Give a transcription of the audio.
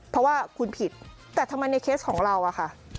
เพราะว่าคุณผิดแต่ทำไมในเคสของเราอะค่ะ